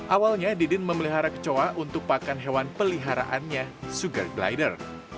awalnya didin memelihara kecoa untuk pakan hewan peliharaannya sugar glider